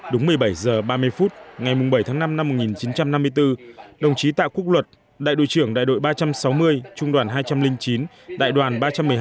đúng một mươi bảy h ba mươi phút ngày bảy tháng năm năm một nghìn chín trăm năm mươi bốn đồng chí tạ quốc luật đại đội trưởng đại đội ba trăm sáu mươi trung đoàn hai trăm linh chín đại đoàn ba trăm một mươi hai